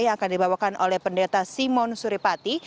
yang akan dibawakan oleh pendeta simon suripati